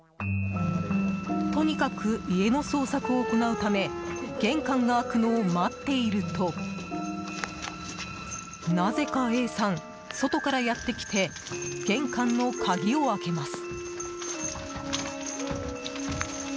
とにかく家の捜索を行うため玄関が開くのを待っているとなぜかＡさん、外からやってきて玄関の鍵を開けます。